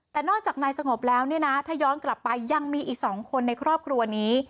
แต่นอกจากนายสงบแล้วเนี่ยนะถ้าย้อนกลับไปยังมีอีก๒คนในครอบครัวนี้